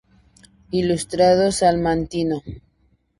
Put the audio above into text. Ilustrado salmantino.